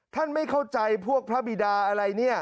ไม่เข้าใจพวกพระบิดาอะไรเนี่ย